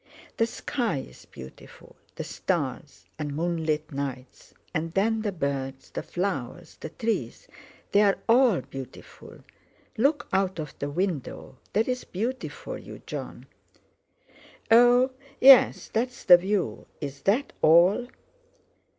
The sky is beautiful, the stars, and moonlit nights, and then the birds, the flowers, the trees—they're all beautiful. Look out of the window—there's beauty for you, Jon." "Oh! yes, that's the view. Is that all?"